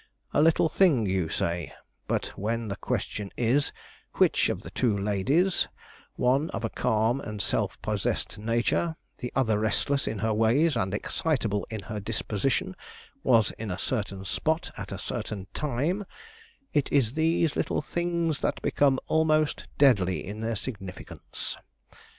A little thing, you say; but when the question is, which of two ladies, one of a calm and self possessed nature, the other restless in her ways and excitable in her disposition, was in a certain spot at a certain time, it is these little things that become almost deadly in their significance.